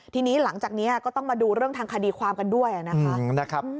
ทีนี้หลังจากนี้ก็ต้องมาดูเรื่องทางคดีความกันด้วยนะครับ